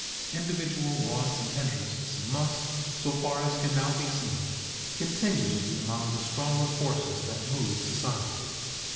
Individual wants and interests must, so far as can now be seen, continue to be among the stronger forces that move society.